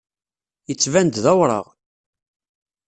Yettban-d d awraɣ.